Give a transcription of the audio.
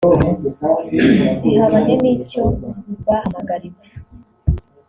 zihabanye n'icyo bahamagariwe